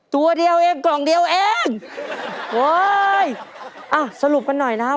ตัวเดียวเองกล่องเดียวเองโอ้ยอ่ะสรุปกันหน่อยนะครับ